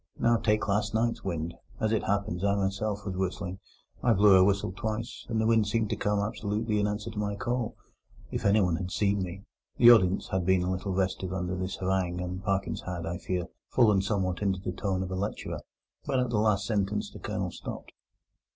Now, take last night's wind: as it happens, I myself was whistling. I blew a whistle twice, and the wind seemed to come absolutely in answer to my call. If anyone had seen me—" The audience had been a little restive under this harangue, and Parkins had, I fear, fallen somewhat into the tone of a lecturer; but at the last sentence the Colonel stopped.